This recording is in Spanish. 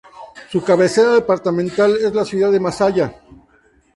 Su cabecera departamental es la ciudad de Masaya.